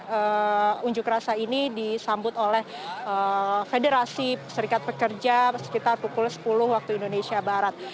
proses unjuk rasa ini disambut oleh federasi serikat pekerja sekitar pukul sepuluh waktu indonesia barat